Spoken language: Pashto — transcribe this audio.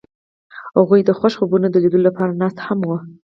هغوی د خوښ خوبونو د لیدلو لپاره ناست هم وو.